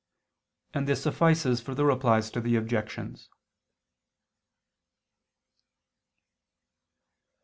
And this suffices for the Replies to the Objections.